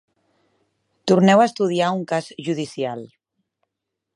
Torneu a estudiar un cas judicial.